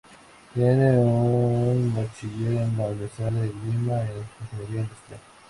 Tiene un bachiller en la Universidad de Lima en Ingeniería Industrial.